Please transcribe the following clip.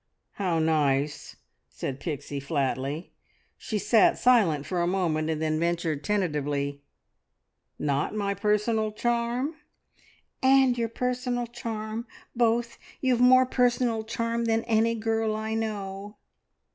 "How nice," said Pixie flatly. She sat silent for a moment and then ventured tentatively, "Not my personal charm?" "And your personal charm. Both! You've more personal charm than any girl I know."